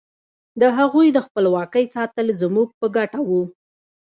د هغوی د خپلواکۍ ساتل زموږ په ګټه وو.